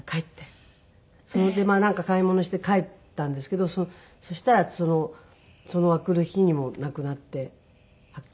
なんか買い物して帰ったんですけどそしたらその明くる日に亡くなって発見されたって。